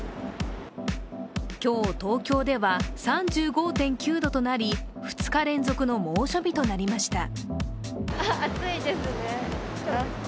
今日、東京では３５．９度となり２日連続の猛暑日となりました。